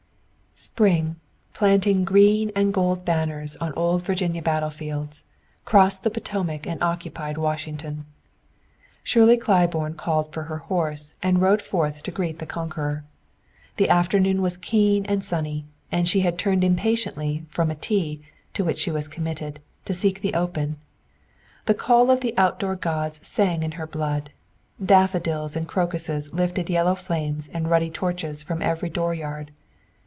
Spring, planting green and gold banners on old Virginia battle fields, crossed the Potomac and occupied Washington. Shirley Claiborne called for her horse and rode forth to greet the conqueror. The afternoon was keen and sunny, and she had turned impatiently from a tea, to which she was committed, to seek the open. The call of the outdoor gods sang in her blood. Daffodils and crocuses lifted yellow flames and ruddy torches from every dooryard.